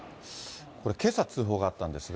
これ、けさ通報があったんですが。